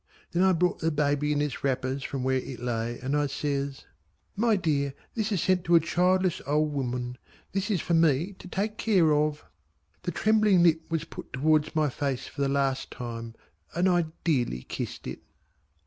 Then I brought the baby in its wrappers from where it lay, and I says: "My dear this is sent to a childless old woman. This is for me to take care of." The trembling lip was put up towards my face for the last time, and I dearly kissed it.